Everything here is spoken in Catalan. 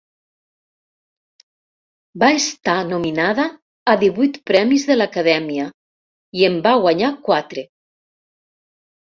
Va estar nominada a divuit Premis de l'Acadèmia i en va guanyar quatre.